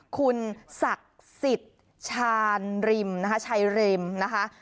คุณศักดิ์ศิริชาญริมริมนะคะ